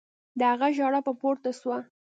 د هغه ژړا به پورته سوه.